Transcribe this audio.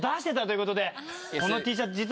このＴシャツ実は。